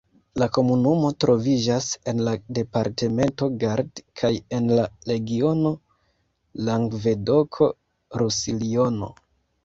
La komunumo troviĝas en la departemento Gard kaj en la regiono Langvedoko-Rusiljono.